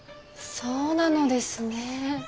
そうなのですね。